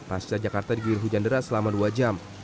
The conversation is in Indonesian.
pasca jakarta di gilir hujan deras selama dua jam